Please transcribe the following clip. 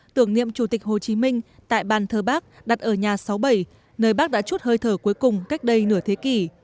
tưởng niệm chủ tịch hồ chí minh tại bàn thờ bác đặt ở nhà sáu mươi bảy nơi bác đã chút hơi thở cuối cùng cách đây nửa thế kỷ